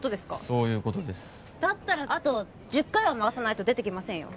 そういうことですだったらあと１０回は回さないと出てきませんよ